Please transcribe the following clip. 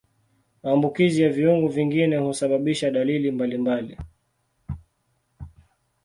Maambukizi ya viungo vingine husababisha dalili mbalimbali.